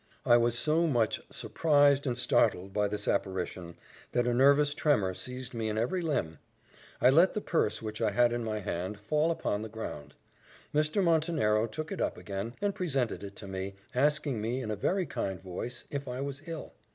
I was so much surprised and startled by this apparition, that a nervous tremor seized me in every limb. I let the purse, which I had in my hand, fall upon the ground. Mr. Montenero took it up again, and presented it to me, asking me, in a very kind voice, "if I was ill."